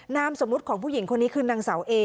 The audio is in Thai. นามสมมุติของผู้หญิงคนนี้คือนางสาวเอ